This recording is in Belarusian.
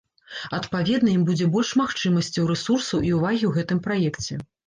Адпаведна, ім будзе больш магчымасцяў, рэсурсаў і ўвагі ў гэтым праекце.